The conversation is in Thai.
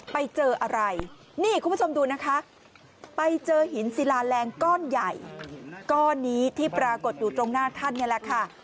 ไปเจอหินศิลาแรงก้อนใหญ่ก้อนนี้ที่ปรากฏอยู่ตรงหน้าท่านนี่แหละค่ะ